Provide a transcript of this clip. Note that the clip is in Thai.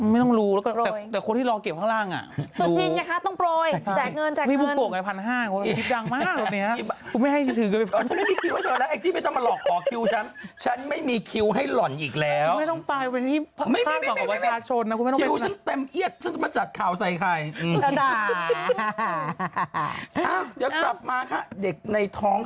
ไม่ต้องรู้แต่คนที่รอเก็บข้างล่าง